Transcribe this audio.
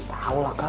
eh tau lah kal